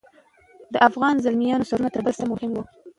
د افغاني زلمیانو سرونه تر بل څه مهم وو.